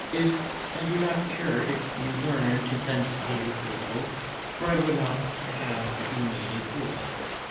I do not care if you learn to fence a little; for I would not have you made a fool of.